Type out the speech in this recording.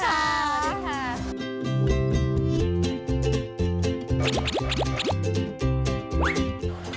สวัสดีค่ะ